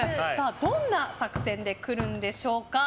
どんな作戦で来るんでしょうか。